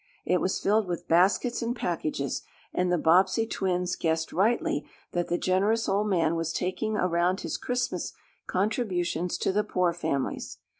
It was filled with baskets and packages, and the Bobbsey twins guessed rightly that the generous old man was taking around his Christmas contributions to the poor families.